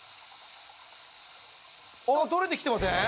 あっ取れてきてません？